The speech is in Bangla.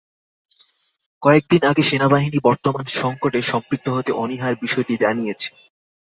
কয়েক দিন আগে সেনাবাহিনী বর্তমান সংকটে সম্পৃক্ত হতে অনীহার বিষয়টি জানিয়েছে।